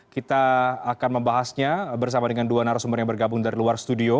kita akan membahasnya bersama dengan dua narasumber yang bergabung dari luar studio